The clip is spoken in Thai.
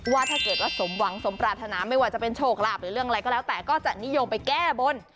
ว่าถ้าเกิดว่าสมหวังสมปรารถนาไม่ว่าจะเป็นโชคลาภหรือเรื่องอะไรก็แล้วแต่ก็จะนิยมไปแก้บน